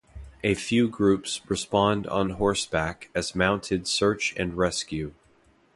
A few groups respond on horseback as mounted search and rescue.